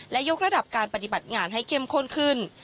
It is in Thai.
และยกระดับการปฏิบัติงานให้เข้มข้นขึ้น